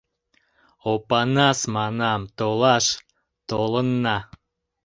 — Опанас, — манам, — толаш толынна.